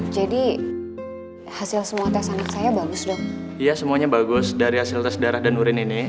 jadi hasil semua tes anak saya bagus dong iya semuanya bagus dari hasil tes darah dan urin ini